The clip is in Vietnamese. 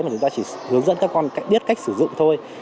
mà chúng ta chỉ hướng dẫn các con biết cách sử dụng thôi